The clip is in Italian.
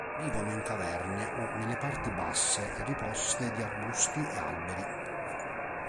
Vivono in caverne o nelle parti basse e riposte di arbusti e alberi.